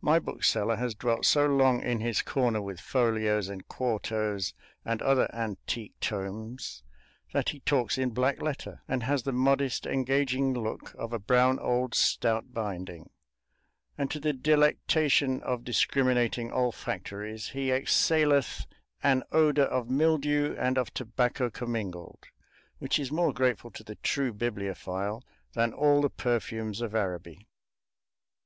My bookseller has dwelt so long in his corner with folios and quartos and other antique tomes that he talks in black letter and has the modest, engaging look of a brown old stout binding, and to the delectation of discriminating olfactories he exhaleth an odor of mildew and of tobacco commingled, which is more grateful to the true bibliophile than all the perfumes of Araby.